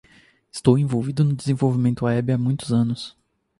Estou envolvido no desenvolvimento web há muitos anos.